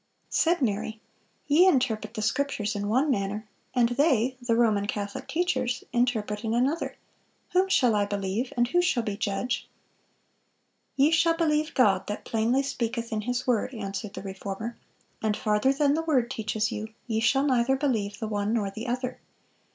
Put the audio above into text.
Said Mary, "Ye interpret the Scriptures in one manner, and they [the Roman Catholic teachers] interpret in another; whom shall I believe, and who shall be judge?" "Ye shall believe God, that plainly speaketh in His word," answered the Reformer; "and farther than the Word teaches you, ye neither shall believe the one nor the other.